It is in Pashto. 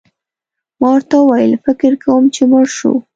ما ورته وویل: فکر کوم چي مړ شو.